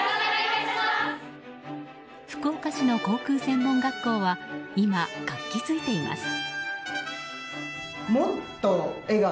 福岡市の航空専門学校は今、活気づいています。